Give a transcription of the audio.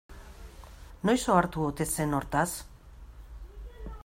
Noiz ohartu ote zen hortaz?